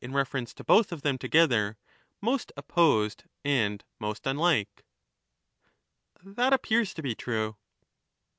reference to both of them together, most opposed and most unlike. That appears to be true.